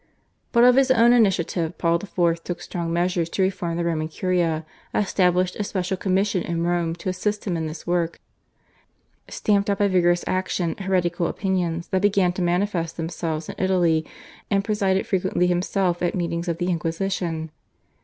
But of his own initiative Paul IV. took strong measures to reform the Roman Curia, established a special commission in Rome to assist him in this work, stamped out by vigorous action heretical opinions that began to manifest themselves in Italy, and presided frequently himself at meetings of the Inquisition.